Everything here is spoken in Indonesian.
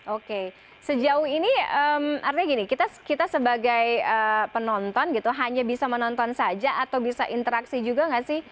oke sejauh ini artinya gini kita sebagai penonton gitu hanya bisa menonton saja atau bisa interaksi juga nggak sih